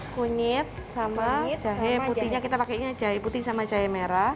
kunyit sama jahe putihnya kita pakai ini aja jahe putih sama jahe merah